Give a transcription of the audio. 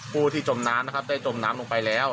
ผู้ที่จมน้ำนะครับได้จมน้ำลงไปแล้ว